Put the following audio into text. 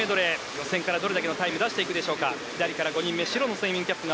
予選からどれだけのタイムを出していくでしょうか。